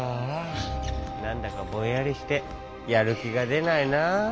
なんだかぼんやりしてやるきがでないな。